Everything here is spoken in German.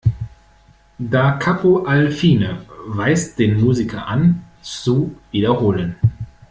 "Da Capo al fine" weist den Musiker an, zu wiederholen.